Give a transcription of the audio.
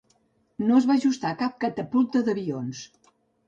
No es va ajustar cap catapulta d'avions.